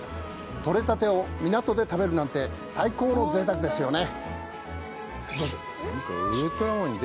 取れたてを港で食べるなんて最高のぜいたくですよね。